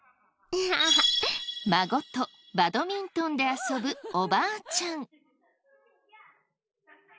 孫とバドミントンで遊ぶおばあちゃん。